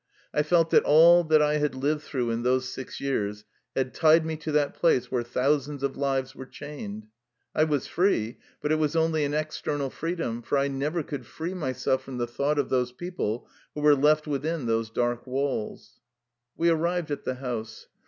I felt that all that I had lived through in those six years had tied me to that place where thou sands of lives were chained. I was free, but it was only an external freedom, for I never could free myself from the thought of those people who were left within those dark walls. We arrived at the house.